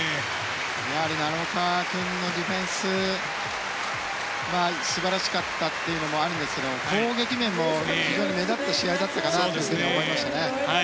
やはり奈良岡君のディフェンスが素晴らしかったというのもあるんですけれども、攻撃面も非常に目立つ試合だったと思います。